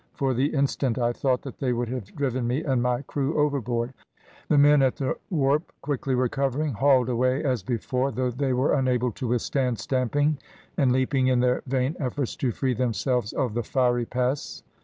For the instant I thought that they would have driven me and my crew overboard; the men at the warp quickly recovering hauled away as before, though they were unable to withstand stamping and leaping in their vain efforts to free themselves of the fiery pests.